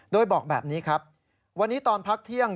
โดยบอกแบบนี้ครับวันนี้ตอนพักเที่ยง